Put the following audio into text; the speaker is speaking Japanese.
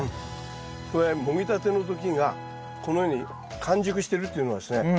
これもぎたての時がこのように完熟してるっていうのはですね